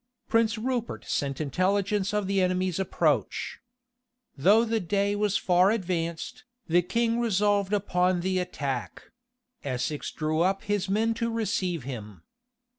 Prince Rupert sent intelligence of the enemy's approach. Though the day was far advanced, the king resolved upon the attack: Essex drew up his men to receive him.